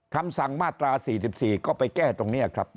คำสั่งมาตรา๔๔ก็ไปแก้ตรงนี้ครับ